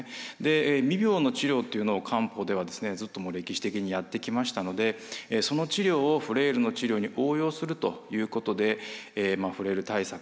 未病の治療というのを漢方ではずっともう歴史的にやってきましたのでその治療をフレイルの治療に応用するということでフレイル対策